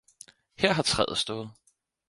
Her har træet stået!